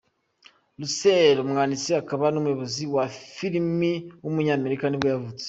Russell, umwanditsi akaba n’umuyobozi wa filime w’umunyamerika nibwo yavutse.